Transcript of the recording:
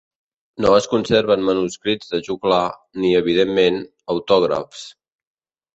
No es conserven manuscrits de joglar ni, evidentment, autògrafs.